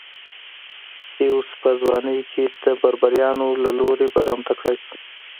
اتیوس په ځوانۍ کې د بربریانو له لوري برمته کړای شو